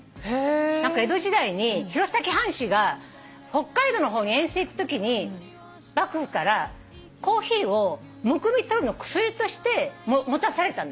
江戸時代に弘前藩士が北海道の方に遠征行くときに幕府からコーヒーをむくみとりの薬として持たされたんだって。